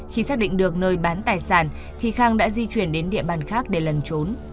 khi xác định được nơi bán tài sản thì khang đã di chuyển đến địa bàn khác để lần trốn